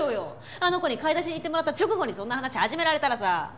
あの子に買い出しに行ってもらった直後にそんな話始められたらさ。